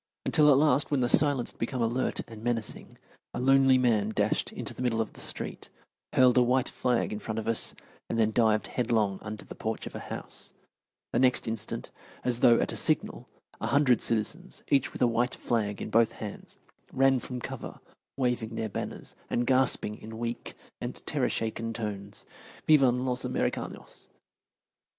Until at last, when the silence had become alert and menacing, a lonely man dashed into the middle of the street, hurled a white flag in front of us, and then dived headlong under the porch of a house. The next instant, as though at a signal, a hundred citizens, each with a white flag in both hands, ran from cover, waving their banners, and gasping in weak and terror shaken tones, "Vivan los Americanos."